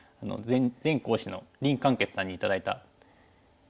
前講師の林漢傑さんに頂いた扇子。